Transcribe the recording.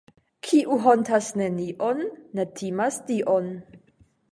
Kiu hontas nenion, ne timas Dion.